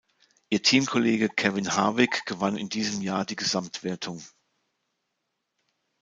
Ihr Teamkollege Kevin Harvick gewann in diesem Jahr die Gesamtwertung.